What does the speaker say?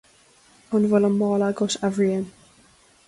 An bhfuil an mála agat, a Bhriain